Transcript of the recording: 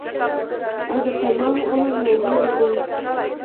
اگه تمام عمر ناجوړه دی.